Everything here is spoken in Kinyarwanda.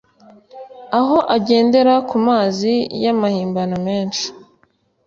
aho agendera ku mazina y’amahimbano menshi